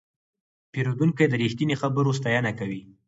پیرودونکی د رښتیني خبرو ستاینه کوي.